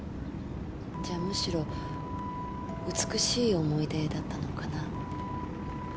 じゃあむしろ美しい思い出だったのかな？